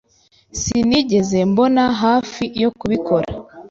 Sinigeze mbona hafi yo kubikora.